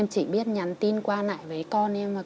em chỉ biết nhắn tin qua nãy với con em rồi